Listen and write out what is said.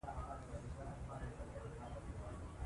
طبیعت موږ ته د ساده ژوند او رښتیني خوښۍ مانا راښيي.